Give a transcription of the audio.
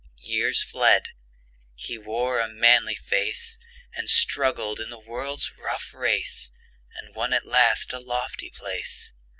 Years fled; he wore a manly face, And struggled in the world's rough race, And won at last a lofty place.